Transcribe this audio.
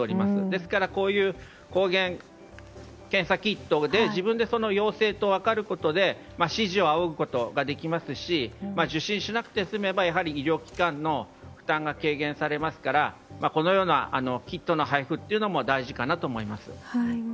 ですから抗原検査キットで自分で陽性と分かることで指示を仰ぐことができますし受診しなくて済めば医療機関の負担が軽減されますからこのようなキットの配布も大事かなと思います。